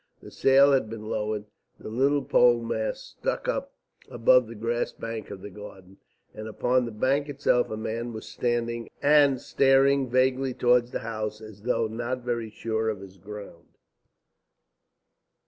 The sail had been lowered, the little pole mast stuck up above the grass bank of the garden, and upon the bank itself a man was standing and staring vaguely towards the house as though not very sure of his ground.